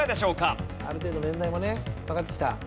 ある程度年代もねわかってきた。